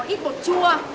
và một ít bột chua